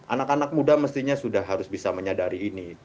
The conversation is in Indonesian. anak anak muda mestinya sudah harus bisa menyadari ini